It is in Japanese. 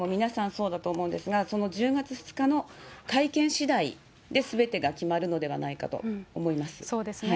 そうだと思うんですが、その１０月２日の会見しだいですべてが決まるのではないかと思いそうですね。